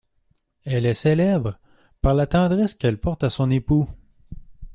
Elle est célèbre par la tendresse qu'elle porte à son époux.